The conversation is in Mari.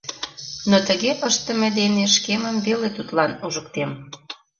Но тыге ыштыме дене шкемым веле тудлан ужыктем.